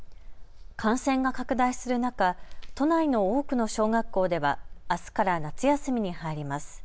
感染が拡大する中、都内の多くの小学校ではあすから夏休みに入ります。